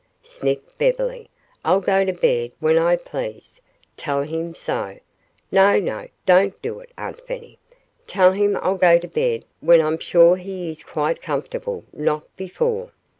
sniffed Beverly. "I'll go to bed when I please. Tell him so. No, no don't do it, Aunt Fanny! Tell him I'll go to bed when I'm sure he is quite comfortable, not before."